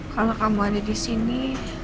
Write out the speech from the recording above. kalau kamu ada disini